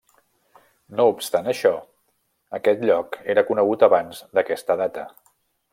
No obstant això, aquest lloc era conegut abans d'aquesta data.